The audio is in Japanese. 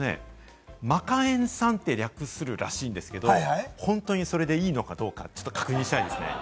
マカえんさんって略すらしいんですけれども、本当にそれでいいのかどうか確認したいんですよね。